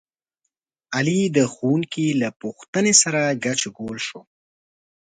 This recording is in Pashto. علي د ښوونکي له پوښتنې سره ګچ ګول شو.